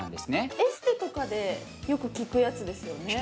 エステとかでよく聞くやつですよね。